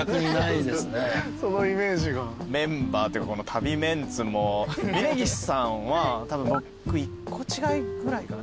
メンバーっていうかこの旅メンツも峯岸さんはたぶん僕１個違いぐらいかな。